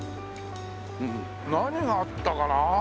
何があったかなあ？